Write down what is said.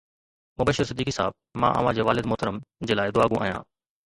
مبشر صديقي صاحب، مان اوهان جي والد محترم جي لاءِ دعاگو آهيان